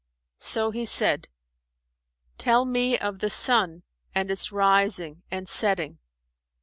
So he said, "Tell me of the sun and its rising and setting."